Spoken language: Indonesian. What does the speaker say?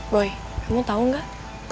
boy kamu tau gak